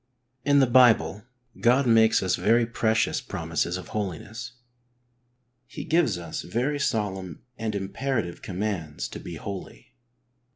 In the Bible God makes us very precious promises of holi ness. He gives us very solemn and imperative commands to be holy.